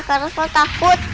karena aku takut